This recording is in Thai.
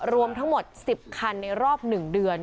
รวมทั้งหมด๑๐คันในรอบ๑เดือน